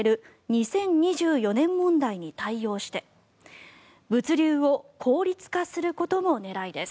２０２４年問題に対応して物流を効率化することも狙いです。